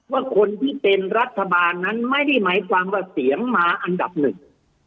ว่าคนที่เป็นรัฐบาลนั้นไม่ได้หมายความว่าเสียงมาอันดับหนึ่ง